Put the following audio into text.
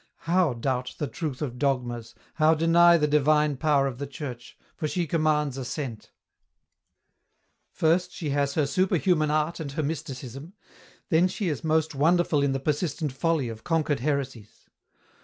How doubt the truth of dogmas, how deny the divine power of the Church, for she commands assent ? First she has her superhuman art and her mysticism, then she is most wonderful in the persistent folly of conquered heresies.